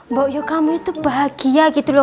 mbak yogyo kamu itu bahagia gitu loh